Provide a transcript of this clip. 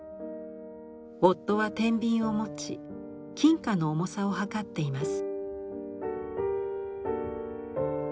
夫はてんびんを持ち金貨の重さを量っています。